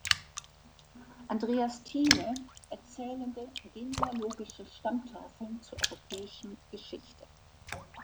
Andreas Thiele: "Erzählende genealogische Stammtafeln zur europäischen Geschichte".